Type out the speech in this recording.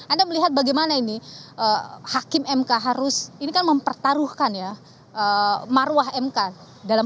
anda melihat bagaimana ini hakim mk harus ini kan mempertaruhkan ya marwah mk dalam